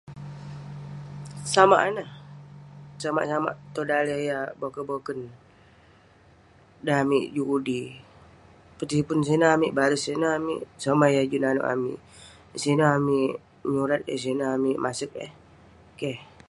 Samak ineh. Samak-samak tong daleh yah boken-boken. Dan amik juk ngudi, petipun sineh amik, baris sineh amik, somah yah juk naneuk amik, sineh amik nyurat eh, sineh amik maseq eh. Keh.